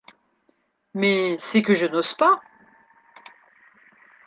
Mais c’est que je n’ose pas !